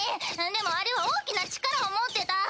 でもあれは大きな力を持ってた！